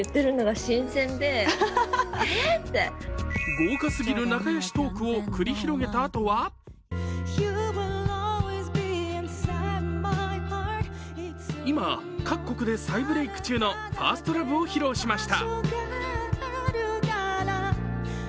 豪華すぎる仲良しトークを繰り広げたあとは今、各国で再ブレーク中の「ＦｉｒｓｔＬｏｖｅ」を披露しました。